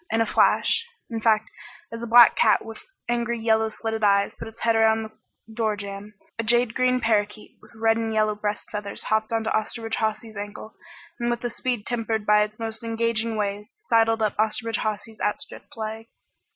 In a flash in fact, as a black cat with angry yellow slitted eyes put its head around the door jamb a jade green parakeet with red and yellow breast feathers hopped onto Osterbridge Hawsey's ankle, and with a speed tempered by its most engaging ways, sidled up Osterbridge Hawsey's outstretched leg.